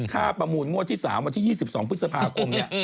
ประมูลงวดที่๓วันที่๒๒พฤษภาคมเนี่ย